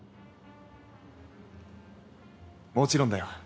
もちろんだよ。